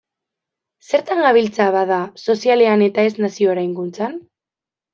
Zertan gabiltza, bada, sozialean ez eta nazio eraikuntzan?